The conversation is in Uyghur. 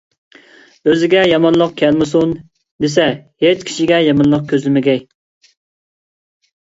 ئۆزىگە يامانلىق كەلمىسۇن دېسە، ھېچ كىشىگە يامانلىق كۆزلىمىگەي.